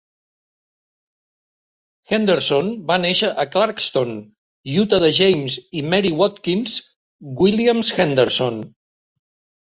Henderson va néixer a Clarkston, Utah de James i Mary Watkins Williams Henderson.